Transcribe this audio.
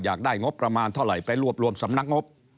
อยากได้งบประมาณเท่าไหร่ไปรวบรวมสำนักงบ